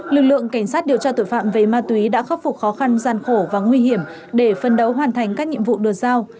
lực lượng cảnh sát điều tra tội phạm về ma túy đã khắc phục khó khăn gian khổ và nguy hiểm để phân đấu hoàn thành các nhiệm vụ được giao